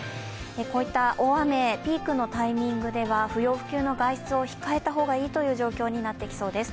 こういった大雨ピークのタイミングでは不要不急の外出を控えた方がいいという状況になってきそうです。